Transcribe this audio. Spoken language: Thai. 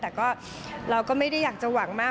แต่ก็เราก็ไม่ได้อยากจะหวังมาก